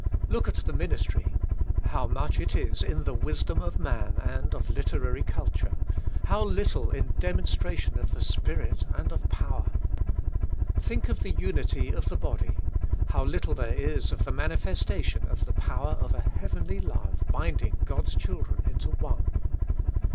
Look at the ministry — how much it is in the wisdom of man and of literary culture — how little in demonstration of the Spirit and of power. Think of the unity of the body — how little there is of the manifestation of the power of a heavenly love binding God's children into one.